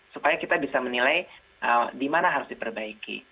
supaya kita bisa menilai di mana harus diperbaiki